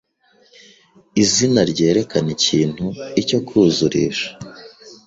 izina ryerekana ikintu, icyo kwuzurisha,